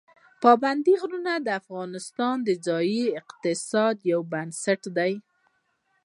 پابندي غرونه د افغانستان د ځایي اقتصادونو یو بنسټ دی.